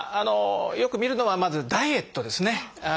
よく見るのはまずダイエットですね。